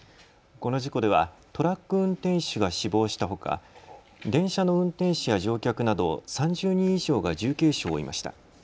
この事故ではトラック運転手が死亡したほか、電車の運転士や乗客など３０人以上が重軽傷を負いました。